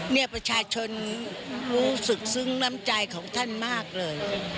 เนี่ยประชาชนรู้สึกซึ้งน้ำใจของท่านมากเลย